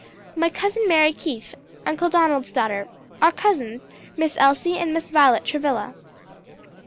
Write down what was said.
"My cousin Mary Keith, Uncle Donald's daughter; our cousins, Miss Elsie and Miss Violet Travilla."